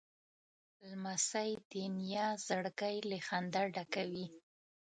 لمسی د نیا زړګی له خندا ډکوي.